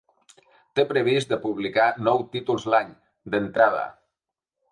Té previst de publicar nou títols l’any, d’entrada.